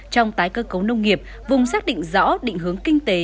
trong tái cơ cấu nông nghiệp vùng xác định rõ định hướng kinh tế